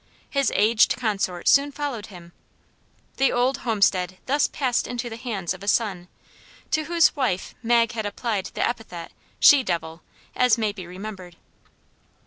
His aged consort soon followed him. The old homestead thus passed into the hands of a son, to whose wife Mag had applied the epithet "she devil," as may be remembered.